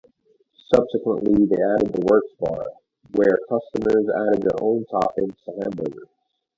Subsequently, they added the Works Bar, where customers added their own toppings to hamburgers.